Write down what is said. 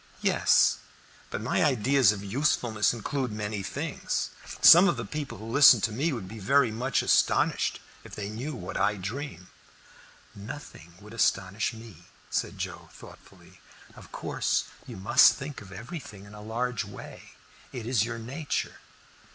"Yes. But my ideas of usefulness include many things. Some of the people who listen to me would be very much astonished if they knew what I dream." "Nothing would astonish me," said Joe, thoughtfully. "Of course you must think of everything in a large way it is your nature.